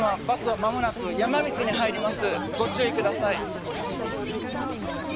バスは間もなく山道に入りますご注意ください